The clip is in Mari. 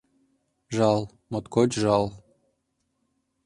Жал, моткоч жал.